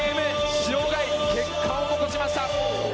塩貝、結果を残しました。